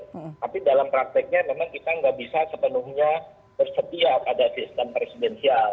tapi dalam prakteknya memang kita nggak bisa sepenuhnya bersetia pada sistem presidensial